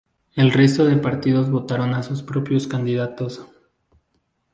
El resto de partidos votaron a sus propios candidatos.